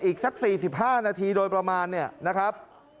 อีกสัก๔๕นาทีโดยประมาณเนี่ยนะครับ